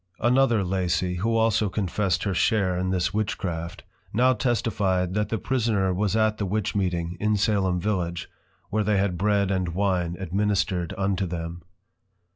Another Lacy, who also confessed her share in this Witchcraft, now testify'd, that the prisoner was at the Witch meeting, in Salem Village, where they had Bread and Wine Administred unto them.